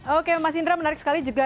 oke mas indra menarik sekali juga